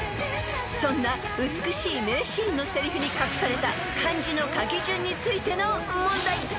［そんな美しい名シーンのせりふに隠された漢字の書き順についての問題］